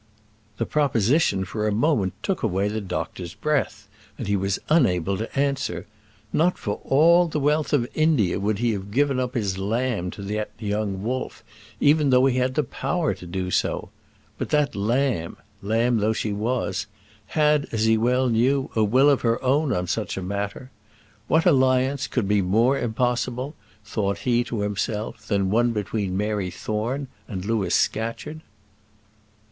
The proposition for a moment took away the doctor's breath, and he was unable to answer. Not for all the wealth of India would he have given up his lamb to that young wolf, even though he had had the power to do so. But that lamb lamb though she was had, as he well knew, a will of her own on such a matter. What alliance could be more impossible, thought he to himself, than one between Mary Thorne and Louis Scatcherd?